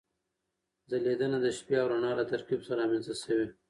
ځلېدنه د شپې او رڼا له ترکیب څخه رامنځته شوې.